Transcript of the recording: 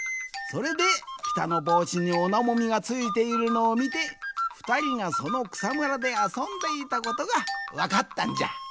それでピタのぼうしにオナモミがついているのをみてふたりがそのくさむらであそんでいたことがわかったんじゃ。